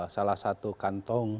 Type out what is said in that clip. salah satu kantong